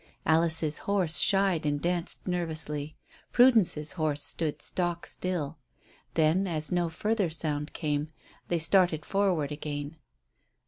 Alice's horse shied and danced nervously. Prudence's horse stood stock still. Then, as no further sound came, they started forward again.